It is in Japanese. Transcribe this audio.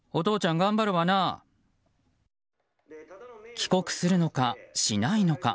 帰国するのか、しないのか。